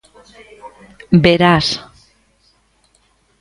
Verás.